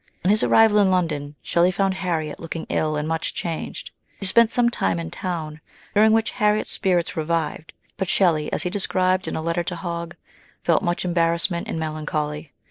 On his arrival in London, Shelley found Harriet looking ill and much changed. He spent some time in town, during which Harriet's spirits revived ; but Shelley, as he described in a letter to Hogg, felt much embarrassment and melancholy.